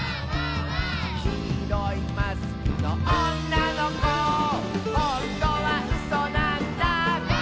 「きいろいマスクのおんなのこ」「ほんとはうそなんだ」